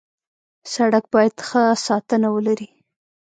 سړک باید ښه ساتنه ولري.